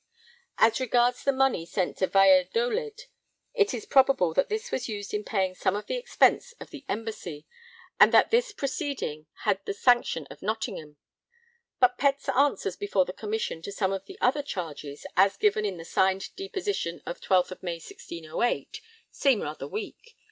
As regards the money sent to Valladolid, it is probable that this was used in paying some of the expenses of the embassy, and that this proceeding had the sanction of Nottingham; but Pett's answers before the Commission to some of the other charges, as given in his signed deposition of 12th May 1608, seem rather weak.